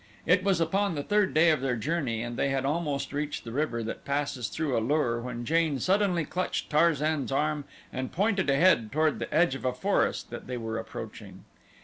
It was upon the third day of their journey and they had almost reached the river that passes through A lur when Jane suddenly clutched Tarzan's arm and pointed ahead toward the edge of a forest that they were approaching.